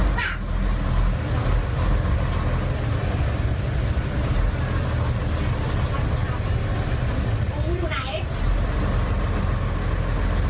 พันหาเลยแม็กซ์